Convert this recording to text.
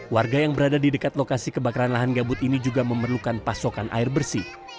warga yang berada di dekat lokasi kebakaran lahan gambut ini juga memerlukan pasokan air bersih